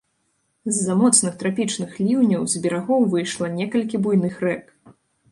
З-за моцных трапічных ліўняў з берагоў выйшла некалькі буйных рэк.